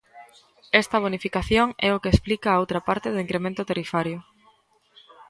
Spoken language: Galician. Esta bonificación é o que explica a outra parte do incremento tarifario.